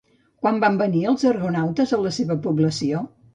Quan van venir els argonautes a la seva població?